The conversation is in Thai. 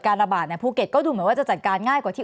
ระบาดภูเก็ตก็ดูเหมือนว่าจะจัดการง่ายกว่าที่